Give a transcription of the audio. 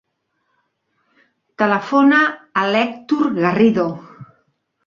Telefona a l'Hèctor Garrido.